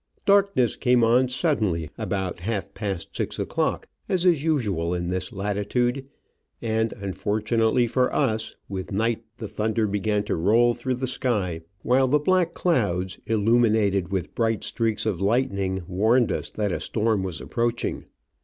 Darkness came on suddenly about half past six o'clock, as is usual in this latitude, and, unfortunately for us, with night the Digitized by VjOOQIC OF AN Orchid Hunter. y^ thunder began to roll through the sky, while the black clouds, illuminated with bright streaks of lightning, warned us that a storm was approaching.